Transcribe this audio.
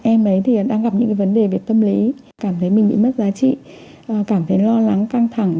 em ấy thì đang gặp những cái vấn đề về tâm lý cảm thấy mình bị mất giá trị cảm thấy lo lắng căng thẳng